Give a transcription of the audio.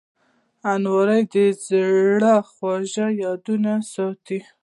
الماري د زړه خوږې یادونې ساتي